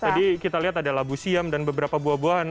tadi kita lihat ada labu siam dan beberapa buah buahan